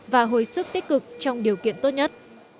và hồi sức tích cực trong điều kiện tốt nhất